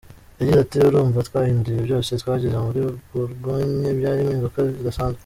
Yagize ati “Urumva twahinduye byose, twageze muri Bourgogne, byari impinduka zidasanzwe.